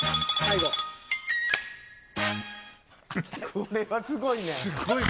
これはすごいね。